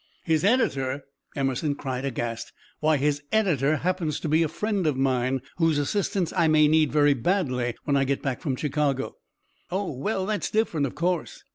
"His editor!" Emerson cried, aghast. "Why, his editor happens to be a friend of mine, whose assistance I may need very badly when I get back from Chicago." "Oh, well! That's different, of course."